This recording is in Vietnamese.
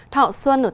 thọ xuân ở tp hcm